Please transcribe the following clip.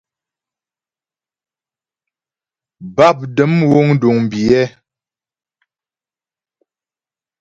Bápdəm wúŋ duŋ biyɛ́.